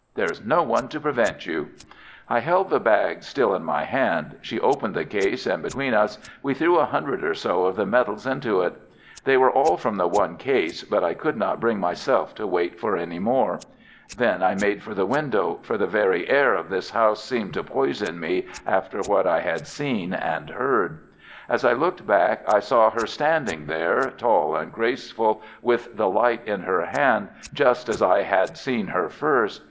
There is no one to prevent you." I held the bag still in my hand. She opened the case, and between us we threw a hundred or so of the medals into it. They were all from the one case, but I could not bring myself to wait for any more. Then I made for the window, for the very air of this house seemed to poison me after what I had seen and heard. As I looked back, I saw her standing there, tall and graceful, with the light in her hand, just as I had seen her first.